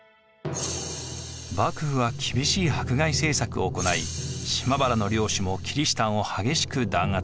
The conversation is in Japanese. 幕府は厳しい迫害政策を行い島原の領主もキリシタンを激しく弾圧。